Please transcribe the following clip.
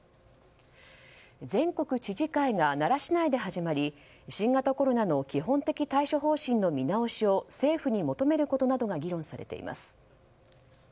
全国知事会が奈良市内で始まり新型コロナの基本的対処方針の見直しを政府に求めることなどが議論されています。